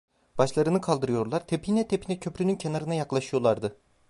Başlarını kaldırıyorlar, tepine tepine köprünün kenarına yaklaşıyorlardı.